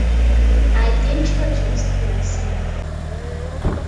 I introduced myself.